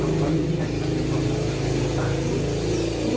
ยังงอนอยู่